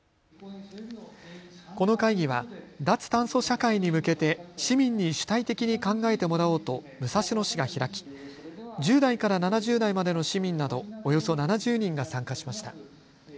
この会議は脱炭素社会に向けて市民に主体的に考えてもらおうと武蔵野市が開き１０代から７０代までの市民などおよそ７０人が参加しました。